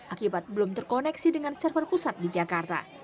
akibat belum terkoneksi dengan server pusat di jakarta